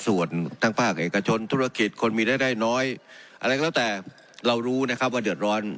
ส่วนทั้งภาคเอกชนธุรกิจคนมีรายได้น้อยอะไรก็แล้วแต่เรารู้นะครับว่าเดือดร้อน